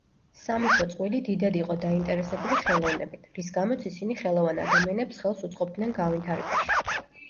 სამეფო წყვილი დიდად იყო დაინტერესებული ხელოვნებით, რის გამოც ისინი ხელოვან ადამიანებს ხელს უწყობდნენ განვითარებაში.